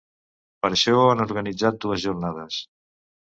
Per això han organitzat dues jornades.